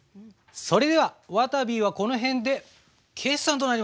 それではわたびはこの辺で決算となります。